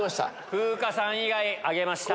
風花さん以外挙げました。